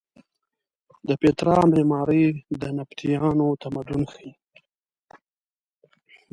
د پیترا معمارۍ د نبطیانو تمدن ښیې.